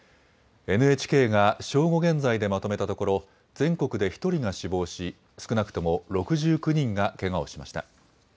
ＮＨＫが正午現在でまとめたところ、全国で１人が死亡し、少なくとも６９人がけがをしました。